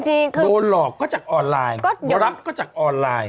โดนหลอกก็จากออนไลน์รับก็จากออนไลน์